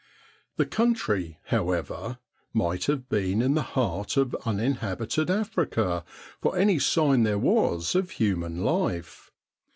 The country, however, might have been in the heart of uninhabited Africa for any sign there was of human life.